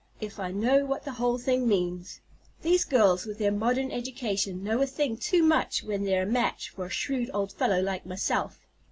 if I know what the whole thing means. These girls, with their modern education, know a thing too much when they're a match for a shrewd old fellow like myself.